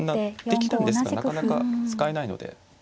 できたんですがなかなか使えないので。